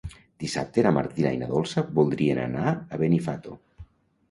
Dissabte na Martina i na Dolça voldrien anar a Benifato.